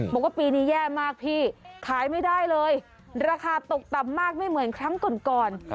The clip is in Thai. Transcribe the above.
บอกว่าปีนี้แย่มากพี่ขายไม่ได้เลยราคาตกต่ำมากไม่เหมือนครั้งก่อน